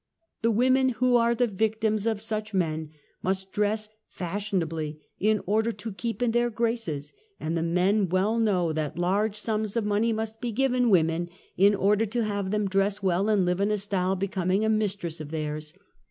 The women who are the victims of such men, must d ress fashionably in order to keep in their graces, and the men well know that large sums of money 112 UNMASKED. must be given women in order to have them dress well and live in a style becoming a mistress of theirs.